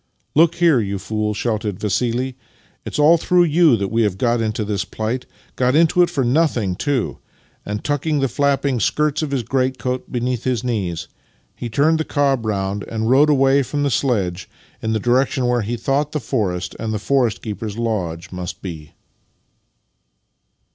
" Look here, you fool," shouted Vassili. " It's all through you that we have got into this plight — got into it for nothing, too," and, tucking the flapping skirts of his greatcoat beneath his knees, he turned the cob round, and rode away from the sledge in the direction where he thought the forest and the forest keeper's lodge must be.